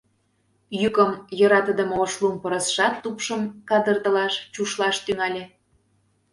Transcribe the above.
Йӱкым йӧратыдыме Ошлум пырысшат тупшым кадыртылаш, чушлаш тӱҥале.